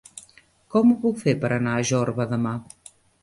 Com ho puc fer per anar a Jorba demà?